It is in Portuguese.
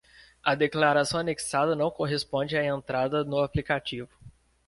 A declaração anexada não corresponde à entrada no aplicativo.